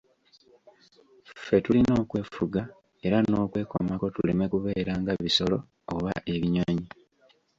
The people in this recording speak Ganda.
Ffe tulina okwefuga era n'okwekomako tuleme kubeera nga bisolo oba ebinyonyi.